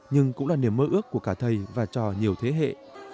nhưng cũng là niềm mơ ước của cả thầy và cho nhiều thế hệ